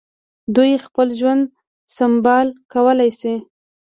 دوی خپل ژوند سمبال کولای شي.